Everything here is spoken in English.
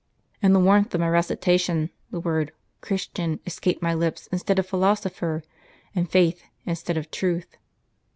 In the warmth of my recitation the word ' Christian ' escaped my lips instead of 'philosopher,' and 'faith' instead of 'truth.'